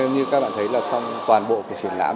như các bạn thấy là xong toàn bộ cuộc truyền lãm